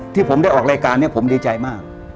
ที่ผมได้ออกรายการนี้ผมดีใจมาก